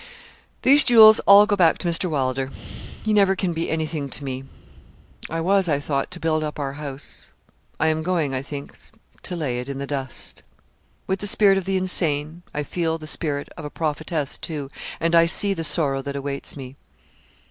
These jewels all go back to Mr. Wylder. He never can be anything to me. I was, I thought, to build up our house. I am going, I think, to lay it in the dust. With the spirit of the insane, I feel the spirit of a prophetess, too, and I see the sorrow that awaits me.